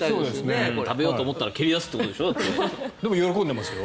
食べようと思ったら突き出すということでしょ。